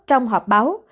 trong họp báo